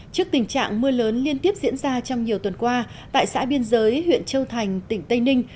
trước tình trạng mưa lớn liên tiếp diễn ra trong nhiều tuần qua tại xã biên giới huyện châu thành tỉnh tây ninh